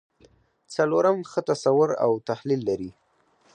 څلورم ښه تصور او تحلیل لري.